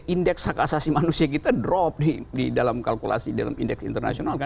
indeks hak asasi manusia kita drop di dalam kalkulasi dalam indeks internasional